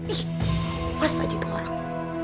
ih was aja itu orang